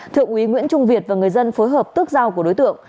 thượng úy nguyễn trung việt và người dân phối hợp tước dao của đối tượng